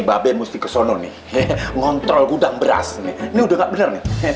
baben musti kesono nih ngontrol gudang beras nih udah nggak bener